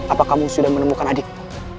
apakah kamu sudah menemukan adikku